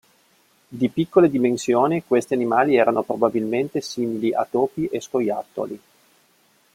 Di piccole dimensioni, questi animali erano probabilmente simili a topi e scoiattoli.